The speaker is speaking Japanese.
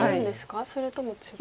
それとも違う？